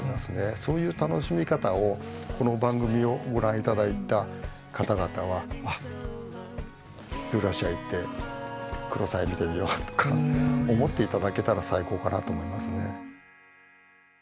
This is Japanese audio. そういう楽しみ方をこの番組をご覧いただいた方々はあっズーラシア行ってクロサイ見てみようとか思っていただけたら最高かなと思いますね。